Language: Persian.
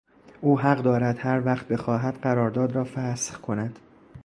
او حق دارد هر وقت بخواهد قرارداد را فسخ کند.